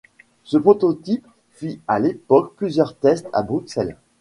Ce prototype fit à l'époque plusieurs tests à Bruxelles.